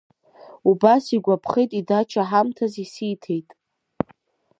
Убас игәаԥхеит идача ҳамҭас исиҭеит.